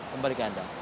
kembali ke anda